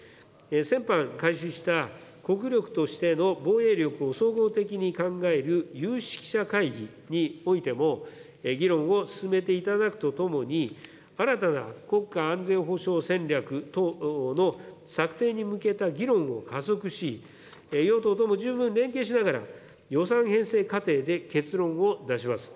先般開始した国力としての防衛力を総合的に考える有識者会議においても、議論を進めていただくとともに、新たな国家安全保障戦略等の策定に向けた議論を加速し、与党とも十分連携しながら、予算編成過程で結論を出します。